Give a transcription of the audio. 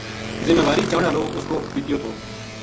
ذماواری چان ہالو اس کو پِتیو تھو